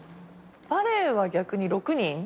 バレーは逆に６人。